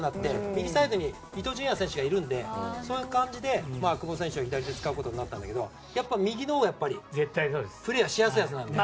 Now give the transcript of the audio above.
右サイドには伊東純也選手がいるのでそういう感じで久保選手を左で使うことになったんだけどやっぱり右のほうが絶対プレーしやすいはずなので。